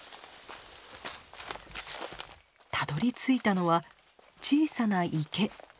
たどりついたのは小さな池。